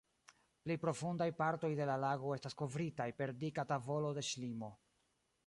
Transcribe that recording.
Pli profundaj partoj de la lago estas kovritaj per dika tavolo de ŝlimo.